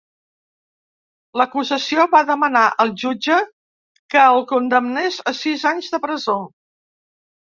L"acusació va demanar al jutge que el condemnés a sis anys de presó.